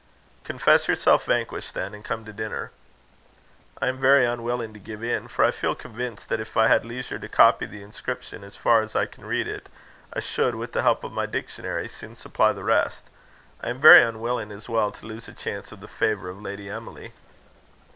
"Confess yourself vanquished, then, and come to dinner." "I am very unwilling to give in, for I feel convinced that if I had leisure to copy the inscription as far as I can read it, I should, with the help of my dictionary, soon supply the rest. I am very unwilling, as well, to lose a chance of the favour of Lady Emily."